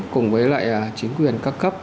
cùng với lại chính quyền cấp cấp